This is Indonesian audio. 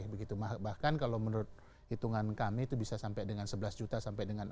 bahkan kalau menurut hitungan kami itu bisa sampai dengan sebelas juta sampai dengan akhir masa pemerintahan yang tersebut